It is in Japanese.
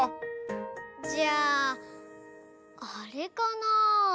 じゃああれかな？